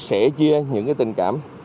sẻ chia những tình cảm